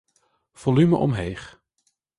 Folume omheech.